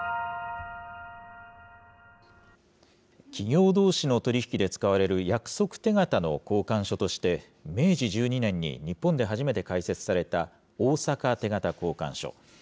企業どうしの取り引きで使われる約束手形の交換所として明治１２年に日本で初めて開設された、大阪手形交換所。